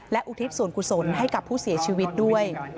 และอุทิศส่วนกุศลให้กับผู้เสียชีวิตด้วย